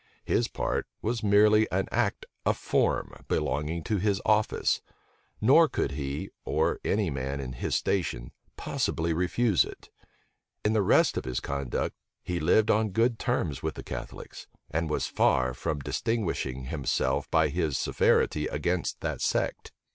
His part was merely an act of form belonging to his office; nor could he, or any man in his station, possibly refuse it. In the rest of his conduct, he lived on good terms with the Catholics, and was far from distinguishing himself by his severity against that sect.